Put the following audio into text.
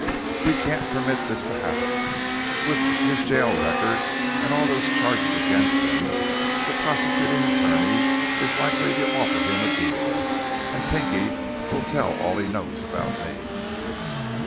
"We can't permit this to happen. With his jail record and all those charges against him, the prosecuting attorney is likely to offer him a deal and Pinky will tell all he knows about me."